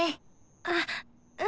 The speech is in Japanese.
あっうん。